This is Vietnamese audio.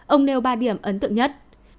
ông nêu ba điểm ấn tượng nhất